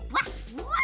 うわ！